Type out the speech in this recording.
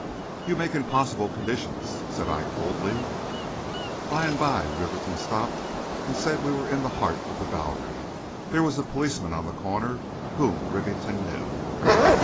"You make impossible conditions," said I, coldly. By and by Rivington stopped and said we were in the heart of the Bowery. There was a policeman on the corner whom Rivington knew.